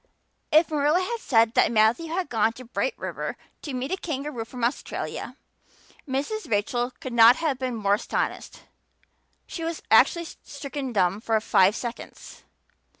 If Marilla had said that Matthew had gone to Bright River to meet a kangaroo from Australia Mrs. Rachel could not have been more astonished. She was actually stricken dumb for five seconds.